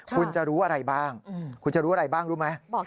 คุณจะรู้อะไรบ้างคุณจะรู้อะไรบ้างรู้ไหม